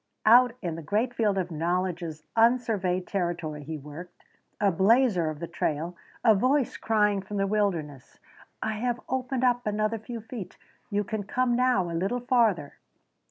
Out in the great field of knowledge's unsurveyed territory he worked a blazer of the trail, a voice crying from the wilderness: "I have opened up another few feet. You can come now a little farther."